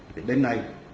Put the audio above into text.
thì đến nay